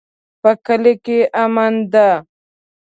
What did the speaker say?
په کلي کې امن ده